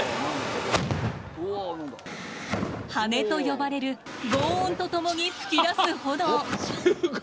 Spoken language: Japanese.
「ハネ」と呼ばれるごう音と共に噴き出す炎。